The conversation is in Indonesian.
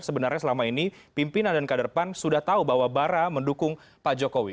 sebenarnya selama ini pimpinan dan kader pan sudah tahu bahwa bara mendukung pak jokowi